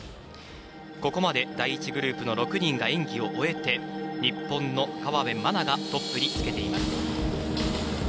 ここまで第１グループの６人が演技を終えて、日本の河辺愛菜がトップにつけています。